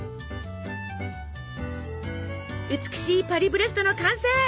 美しいパリブレストの完成！